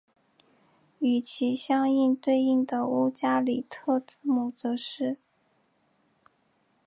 与其相对应的乌加里特字母则是。